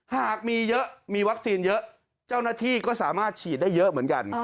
หากมีเยอะมีวัคซีนเยอะเจ้าหน้าที่ก็สามารถฉีดได้เยอะเหมือนกัน